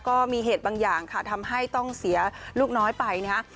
ก็มีเหตุบางอย่างค่ะทำให้ต้องเสียลูกน้อยไปนะฮะ